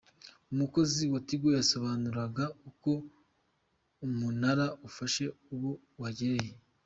Umukozi wa Tigo yabasobanuriraga uko umunara ufasha abo wegereye.